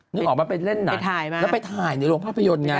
นึกออกไหมไปเล่นหนังแล้วไปถ่ายในโรงภาพยนตร์ไง